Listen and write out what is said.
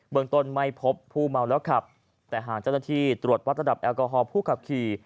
เมืองต้นไม่พบผู้เมาแล้วขับแต่หากเจ้าหน้าที่ตรวจวัดระดับแอลกอฮอล์ผู้ขับขี่